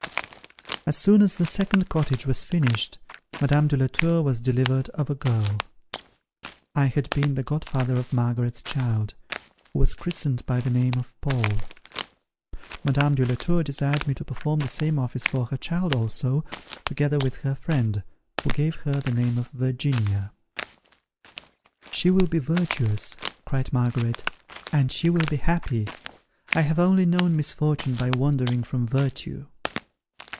As soon as the second cottage was finished, Madame de la Tour was delivered of a girl. I had been the godfather of Margaret's child, who was christened by the name of Paul. Madame de la Tour desired me to perform the same office for her child also, together with her friend, who gave her the name of Virginia. "She will be virtuous," cried Margaret, "and she will be happy. I have only known misfortune by wandering from virtue."